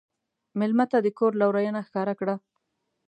مېلمه ته د کور لورینه ښکاره کړه.